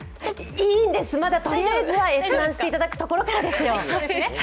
いいんです、まずはとりあえずは閲覧していただくところからですよ。